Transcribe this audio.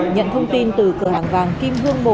nhận thông tin từ cửa hàng vàng kim hương một